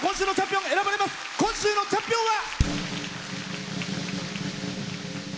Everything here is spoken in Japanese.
今週のチャンピオンは。